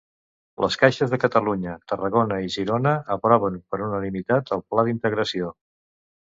Les caixes de Catalunya, Tarragona i Girona aproven per unanimitat el pla d'integració.